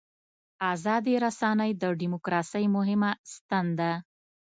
ازادې رسنۍ د دیموکراسۍ مهمه ستن ده.